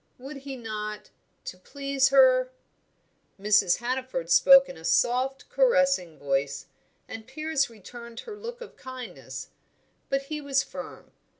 Would he not? to please her? Mrs. Hannaford spoke in a soft, caressing voice, and Piers returned her look of kindness; but he was firm.